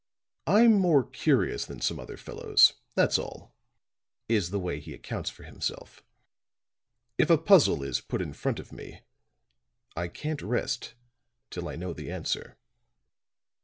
"I'm more curious than some other fellows, that's all," is the way he accounts for himself. "If a puzzle is put in front of me I can't rest till I know the answer."